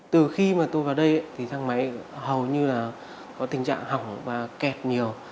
từ khi mà tôi vào đây thì thang máy hầu như là có tình trạng hỏng và kẹt nhiều